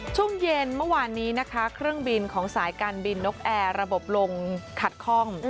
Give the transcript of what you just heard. ช่วงเย็นเมื่อวานนี้นะคะเครื่องบินของสายการบินนกแอร์ระบบลงขัดคล่อง